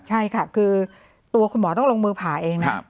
ใช่ค่ะคือตัวคุณหมอต้องลงมือผ่าเองนะ